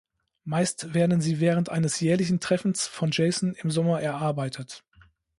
Meist werden sie während eines jährlichen Treffens von Jason im Sommer erarbeitet.